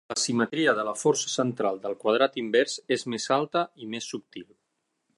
La simetria de la força central del quadrat invers és més alta i més subtil.